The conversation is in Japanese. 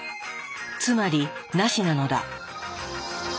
つまり「なし」なのだ。